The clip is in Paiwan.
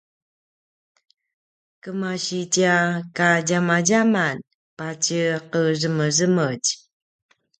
kemasitja kadjamadjaman patje qezemezemetj